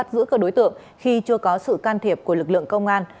giữa các đối tượng khi chưa có sự can thiệp của lực lượng công an